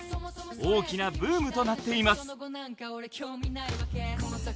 大きなブームとなっています！